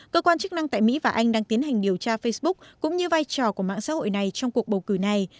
cơ quan chức năng tại mỹ và anh đang tiến hành điều tra facebook cũng như vai trò của mạng xã hội này trong cuộc bầu cử này